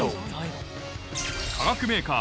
化学メーカー